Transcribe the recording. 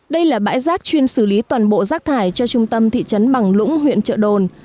đây là bãi rác chuyên xử lý toàn bộ rác thải cho trung tâm thị trấn bằng lũng huyện trợ đồn